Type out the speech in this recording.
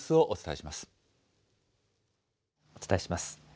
しまお伝えします。